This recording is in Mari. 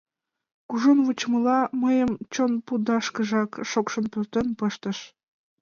Кужун вучымыла, мыйым чон пундашкыжак шокшын пуртен пыштыш.